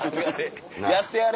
やってやれ。